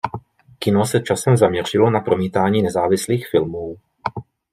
Kino se časem zaměřilo na promítání nezávislých filmů.